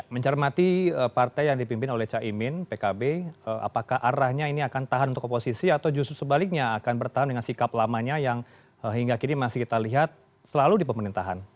mencermati partai yang dipimpin oleh caimin pkb apakah arahnya ini akan tahan untuk oposisi atau justru sebaliknya akan bertahan dengan sikap lamanya yang hingga kini masih kita lihat selalu di pemerintahan